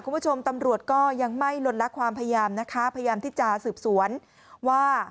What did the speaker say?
คุณผู้ชมตำรวจก็ยังไม่ลดละความพยายามนะคะพยายามที่จะสืบสวนว่า